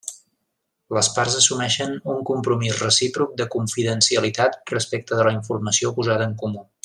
Les parts assumeixen un compromís recíproc de confidencialitat respecte de la informació posada en comú.